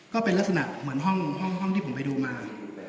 ก็เป็นลักษณะเหมือนห้องที่ผมไปดูมา